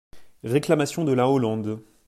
Réclamation de la Hollande.